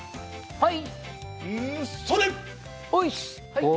はい！